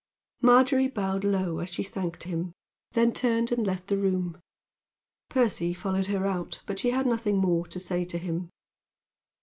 Margery bowed low as she thanked him; then turned and left the room. Percy followed her out, but she had nothing more to say to him.